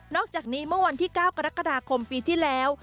อกจากนี้เมื่อวันที่๙กรกฎาคมปีที่แล้ว